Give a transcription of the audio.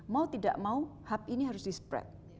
mau tidak mau hub ini harus di spread